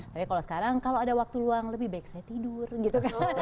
tapi kalau sekarang kalau ada waktu luang lebih baik saya tidur gitu kan